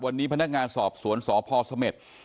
วันนี้พนักงานสอบสวนสพสเมษ